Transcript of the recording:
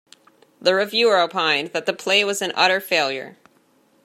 The reviewer opined that the play was an utter failure.